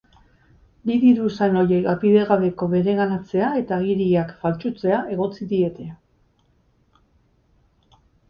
Bi diruzain ohiei bidegabeko bereganatzea eta agiriak faltsutzea egotzi diete.